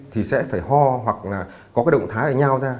thì sẽ phải ho hoặc là có cái động thái ở nhau ra